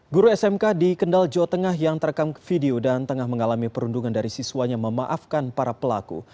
guru smk di kendal jawa tengah yang terekam video dan tengah mengalami perundungan dari siswanya memaafkan para pelaku